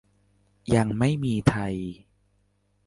ยังไม่มีไทย